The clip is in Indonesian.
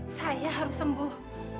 saya harus sembuh